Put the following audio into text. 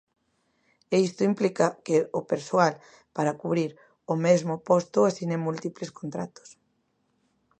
E isto implica que o persoal para cubrir o mesmo posto asine múltiples contratos.